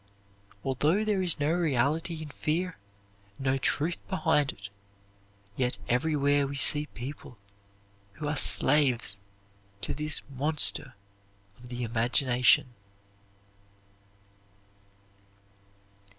Although there is no reality in fear, no truth behind it, yet everywhere we see people who are slaves to this monster of the imagination.